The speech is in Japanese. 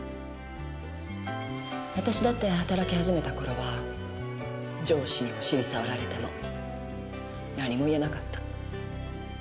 わたしだって働き始めたころは上司にお尻触られても何も言えなかった。